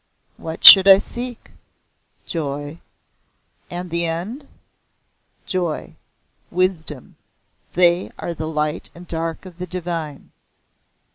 "What should I seek?" "Joy." "And the end?" "Joy. Wisdom. They are the Light and Dark of the Divine."